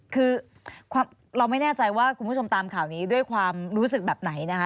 คือเราไม่แน่ใจว่าคุณผู้ชมตามข่าวนี้ด้วยความรู้สึกแบบไหนนะคะ